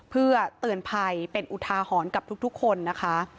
เพื่อเตือนภัยเป็นอุทาหรณ์กับทุกคนนะคะ